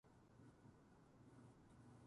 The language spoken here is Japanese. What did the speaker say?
おでん美味しいな